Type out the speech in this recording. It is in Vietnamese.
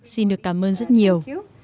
xin được cảm ơn rất nhiều